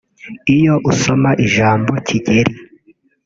Iyo usoma ijambo Kigeli